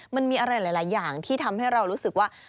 มันมีอะไรหลายอย่างที่ทำให้เรารู้สึกว่า